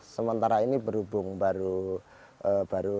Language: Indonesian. sementara ini berhubung baru